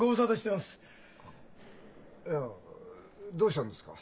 いやどうしたんですか？